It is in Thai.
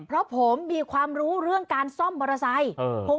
เพราะผมมีความรู้เรื่องการซ่อมมอเตอร์ไซค์